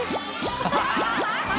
ハハハ